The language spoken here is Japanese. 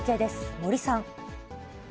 森さん。